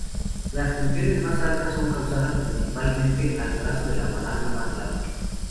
Las tensiones más altas son causadas, principalmente, al brazo de palanca más largo.